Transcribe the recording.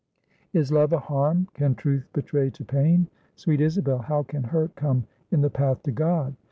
"Is Love a harm? Can Truth betray to pain? Sweet Isabel, how can hurt come in the path to God?